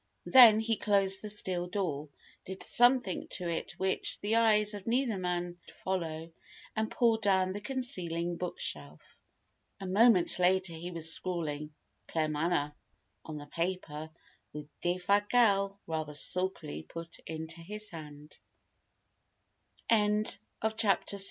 Then he closed the steel door, did something to it which the eyes of neither man could follow, and pulled down the concealing bookshelf. A moment later he was scrawling "Claremanagh" on the paper which Defasquelle rather sulkily put into his hand. CHAPTER VII WHAT JULI